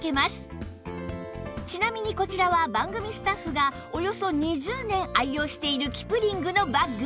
ちなみにこちらは番組スタッフがおよそ２０年愛用しているキプリングのバッグ